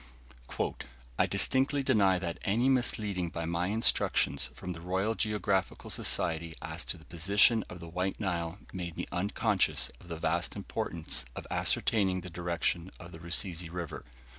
"I distinctly deny that 'any misleading by my instructions from the Royal Geographical Society as to the position of the White Nile' made me unconscious of the vast importance of ascertaining the direction of the Rusizi River.